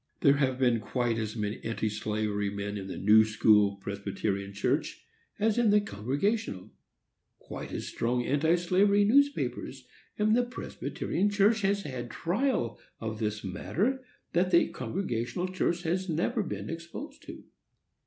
There have been quite as many anti slavery men in the New School Presbyterian Church as in the Congregational,—quite as strong anti slavery newspapers; and the Presbyterian Church has had trial of this matter that the Congregational Church has never been exposed to.